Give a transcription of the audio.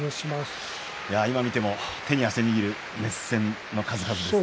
今見ても手に汗握る熱戦の数々ですね。